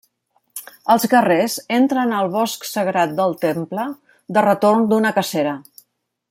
Els guerrers entren al bosc sagrat del Temple de retorn d'una cacera.